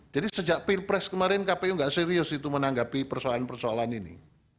jadi sejak pilpres kemarin kpu enggak serius itu menanggapi persoalan persoalan ini